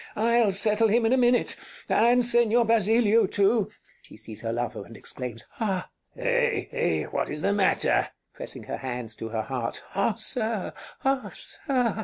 I'll settle him in a minute and Señor Basilio too. [She sees her lover and exclaims:] Ah! Bartolo Eh, eh, what is the matter? Rosina [pressing her hands to her heart] Ah, sir! Ah, sir!